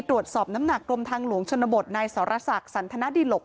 ตรวจสอบน้ำหนักกลมทางหลวงชนบทในศรษะศรัทธนาดิหลก